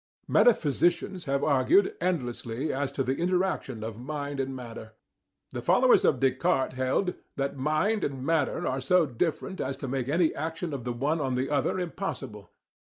Metaphysicians have argued endlessly as to the interaction of mind and matter. The followers of Descartes held that mind and matter are so different as to make any action of the one on the other impossible.